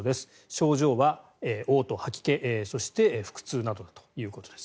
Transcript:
症状はおう吐、吐き気そして腹痛などということです。